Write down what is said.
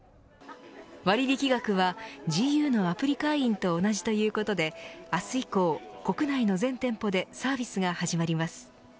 割引額はＧＵのアプリ会員と同じということで明日以降、国内の全店舗でサービスが始まります。